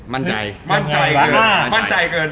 มั่นใจเกิน